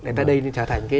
để ta đây trở thành